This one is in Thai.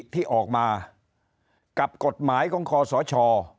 ที่ออกมากับกฎหมายของคอสช